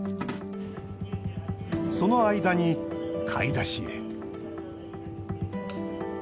その間に、買い出しへ。